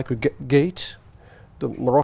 cửa màu bắc